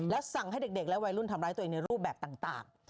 สั่งให้เด็กและวัยรุ่นทำร้ายตัวเองในรูปแบบต่าง